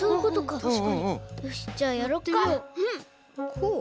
こう？